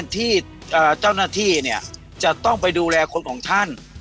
ที่เจ้าหน้าที่จะต้องไปดูแลคนของท่าน